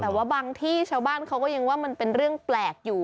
แต่ว่าบางที่ชาวบ้านเขาก็ยังว่ามันเป็นเรื่องแปลกอยู่